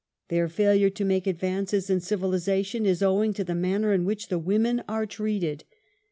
Their failure to make advances in civi lization, is owino; to the manner in whicli the women are treated.